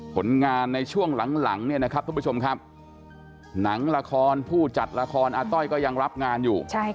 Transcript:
ผลงานในช่วงหลังเนี่ยนะครับทุกผู้ชมครับหนังละครผู้จัดละครอาต้อยก็ยังรับงานอยู่